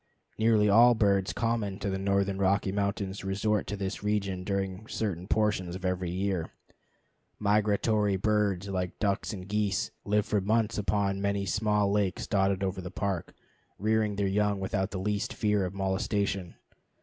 Nearly all birds common to the northern Rocky Mountains resort to this region during certain portions of every year. Migratory birds, like ducks and geese, live for months upon many small lakes dotted over the Park, rearing their young without the least fear of molestation.